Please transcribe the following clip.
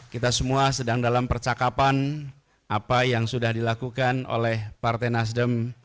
kita semua sedang dalam percakapan apa yang sudah dilakukan oleh partai nasdem